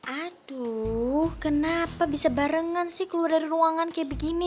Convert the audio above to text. aduh kenapa bisa barengan sih keluar dari ruangan kayak begini